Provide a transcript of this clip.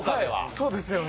そうですよね。